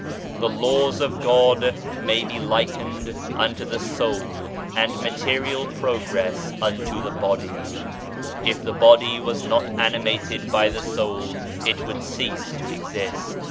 The Laws of God may be likened unto the soul and material progress unto the body. If the body was not animated by the soul, it would cease to exist.